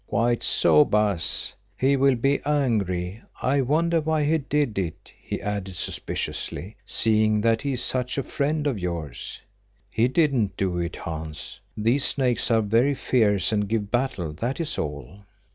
"Quite so, Baas. He will be angry. I wonder why he did it?" he added suspiciously, "seeing that he is such a friend of yours." "He didn't do it, Hans. These snakes are very fierce and give battle, that is all."